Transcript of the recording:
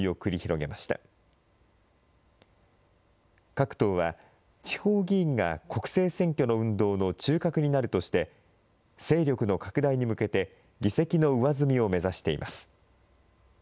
各党は、地方議員が国政選挙の運動の中核になるとして、勢力の拡大に向けて、議席の上積みを目指しています。